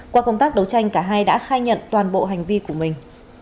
qua công tác đấu tranh cả hai đã khai nhận toàn bộ hành vi của mình